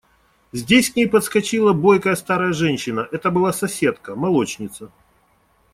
Здесь к ней подскочила бойкая старая женщина – это была соседка, молочница.